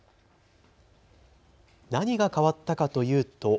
何が変わったかというと。